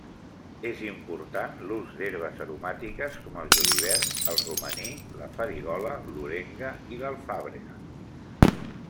És important l'ús d'herbes aromàtiques com el julivert, el romaní, la farigola, l'orenga i l'alfàbrega.